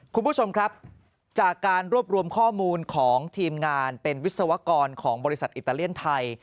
คุณผู้ชมครับจากการรวบรวมข้อมูลของทีมงานเป็นวิศวกรของบริษัทอิตาเลียนไทย